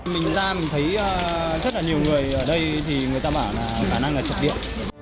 mình ra mình thấy rất là nhiều người ở đây thì người ta bảo là khả năng là chật điện